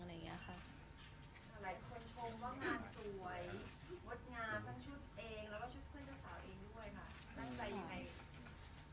หลายคนชมว่างานสวย